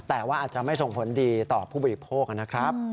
แต่ว่าอาจจะไม่ส่งผลดีต่อผู้บริโภคนะครับ